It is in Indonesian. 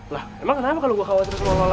lah emang kenapa kalau gue khawatir sama lola